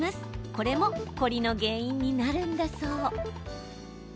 これも凝りの原因になるんだそう。